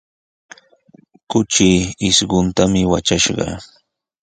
Kuchi isquntami watrashqa.